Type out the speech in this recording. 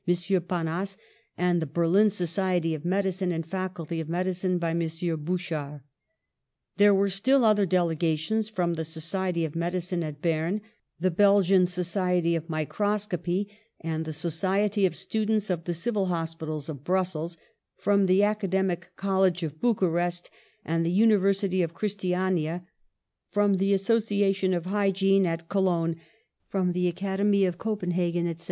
Panas, and the Berlin Society of Medicine and Fac ulty of Medicine by M. Bouchard. There were still other delegations, from the Society of Medicine at Berne, the Belgian Society of Microscopy, and the Society of Students of the Civil Hospitals of Brussels, from the Acad emic College of Bucharest and the University of Christiania, from the Association of Hygiene at Cologne, from the Academy of Copenhagen, etc.